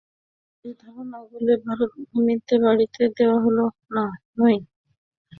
সেই ধারণাগুলি ভারতভূমিতে বাড়িতে দেওয়া হয় নাই, ইহার কারণ পরে বুঝিতে পারিবে।